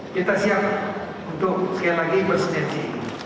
kita siap untuk sekali lagi bersinergi